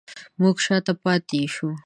موږ شاته پاتې شوو